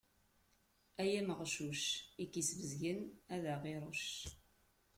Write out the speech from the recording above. Ay ameɣcuc, i k-isbezgen ad ɣ-iṛuc.